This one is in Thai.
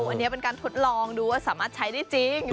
อันนี้เป็นการทดลองดูว่าสามารถใช้ได้จริง